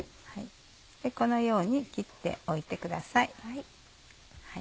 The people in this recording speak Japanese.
このように切っておいてください。